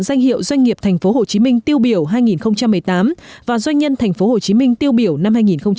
danh hiệu doanh nghiệp tp hcm tiêu biểu hai nghìn một mươi tám và doanh nhân tp hcm tiêu biểu năm hai nghìn một mươi chín